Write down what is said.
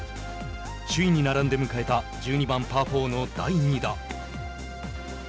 首位に並んで迎えた１２番パー４の第２打。